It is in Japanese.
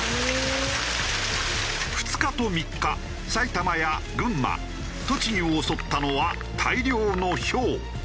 ２日と３日埼玉や群馬栃木を襲ったのは大量の雹。